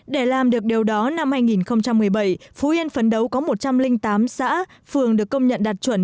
để làm được điều đó năm hai nghìn một mươi bảy phú yên phấn đấu có một trăm linh tám xã phường được công nhận đạt chuẩn